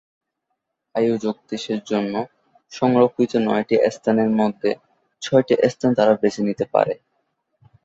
আয়োজক দেশের জন্য সংরক্ষিত নয়টি স্থানের মধ্যে ছয়টি স্থান তারা বেছে নিতে পারে।